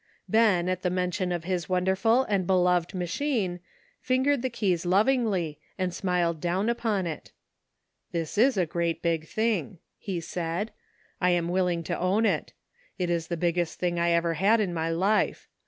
Ben, at the mention of his wonderful and beloved machine, fingered the keys lovingly, and smiled down upon it. " This is a great big thing," he said ;" I am willing to own it. It is the biggest thing I ever had in my life.